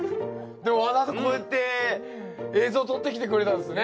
でもわざわざこうやって映像撮ってきてくれたんですね。